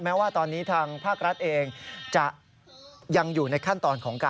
แม้ว่าตอนนี้ทางภาครัฐเองจะยังอยู่ในขั้นตอนของการ